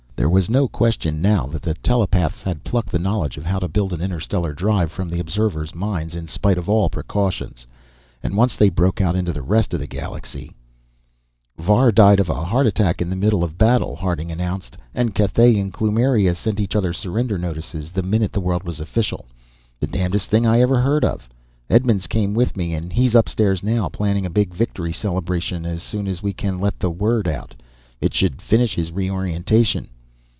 There was no question now that the telepaths had plucked the knowledge of how to build an interstellar drive from the observers' minds, in spite of all precautions. And once they broke out into the rest of the galaxy "Var died of a heart attack in the middle of a battle," Harding announced. "And Cathay and Kloomiria sent each other surrender notices the minute word was official! The damnedest thing I ever heard of. Edmonds came with me, and he's upstairs now, planning a big victory celebration as soon as we can let the word out. It should finish his reorientation."